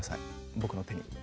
僕の手に。